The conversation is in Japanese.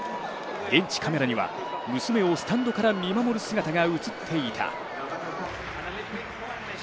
現場カメラには、娘をスタンドから見守る姿が映っていた。